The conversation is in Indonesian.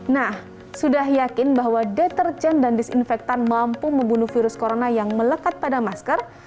nah sudah yakin bahwa deterjen dan disinfektan mampu membunuh virus corona yang melekat pada masker